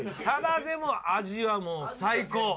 ただでも味はもう最高。